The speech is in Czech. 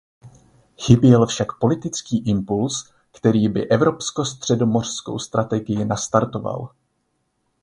Chyběl však politický impuls, který by evropsko-středomořskou strategii nastartoval.